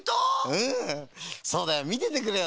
うんそうだよ。みててくれよな。